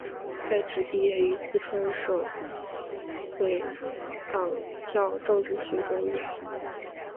在职毕业于四川省委党校政治学专业。